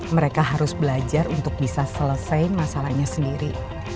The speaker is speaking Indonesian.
mereka harus belajar untuk bisa selesai masalahnya sendiri